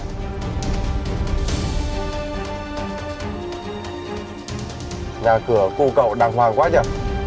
nhà cửa cụ cậu đàng hoàng quá nhỉ